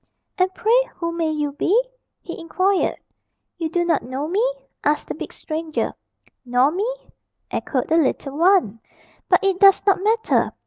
"And pray who may you be?" he inquired. "You do not know me?" asked the big stranger. "Nor me?" echoed the little one. "But it does not matter.